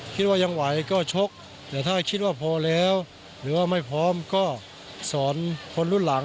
คิดว่ายังไหวก็ชกแต่ถ้าคิดว่าพอแล้วหรือว่าไม่พร้อมก็สอนคนรุ่นหลัง